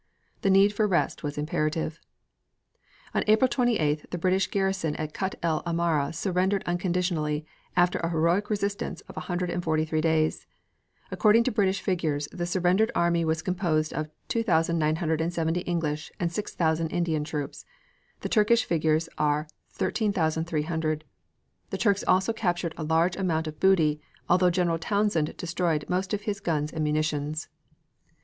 The need for rest was imperative." On April 28th the British garrison at Kut el Amara surrendered unconditionally, after a heroic resistance of a hundred and forty three days. According to British figures the surrendered army was composed of 2,970 English and 6,000 Indian troops. The Turkish figures are 13,300. The Turks also captured a large amount of booty, although General Townshend destroyed most of his guns and munitions.